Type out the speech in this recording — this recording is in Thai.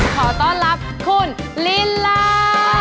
ขอต้อนรับคุณลิลา